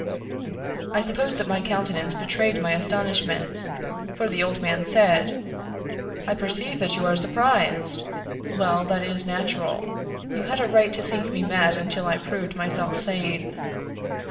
I suppose that my countenance be trayed my astonishment, for the old man said :" I perceive that you are surprised. Well, that is natural. You had a right to think me mad until I proved myself sane."